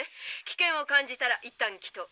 危険を感じたらいったん帰投。